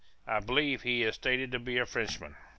I believe he is stated to be a Frenchman.